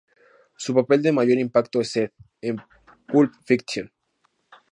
Su papel de mayor impacto es Zed en "Pulp Fiction".